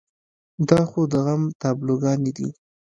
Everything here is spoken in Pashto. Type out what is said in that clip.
دا خو د غم تابلوګانې دي.